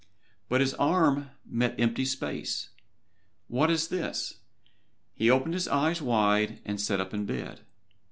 But his arm met empty space. What was this? He opened his eyes wide and sat up in bed.